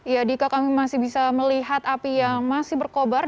ya dika kami masih bisa melihat api yang masih berkobar